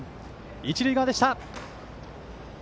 一塁側でした。